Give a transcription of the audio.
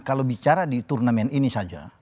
kalau bicara di turnamen ini saja